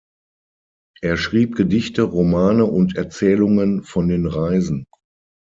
Er schrieb Gedichte, Romane und Erzählungen von den Reisen.